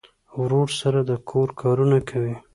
ورور سره د کور کارونه کوي.